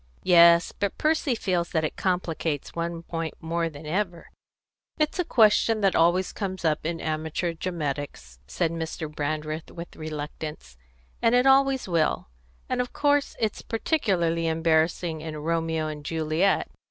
"Yes, but Percy feels that it complicates one point more than ever " "It's a question that always comes up in amateur dramatics," said Mr. Brandreth, with reluctance, "and it always will; and of course it's particularly embarrassing in Romeo and Juliet.